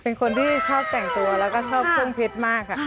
เป็นคนที่ชอบแต่งตัวแล้วก็ชอบเครื่องเพชรมากค่ะ